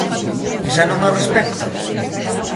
¿Que xa non as respectan?